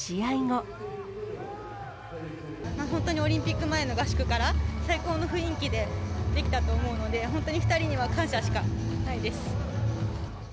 本当にオリンピック前の合宿から、最高の雰囲気でできたと思うので、本当に２人には感謝しかないです。